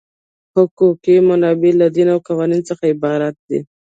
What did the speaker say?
حقوقي منابع له دین او قانون څخه عبارت دي.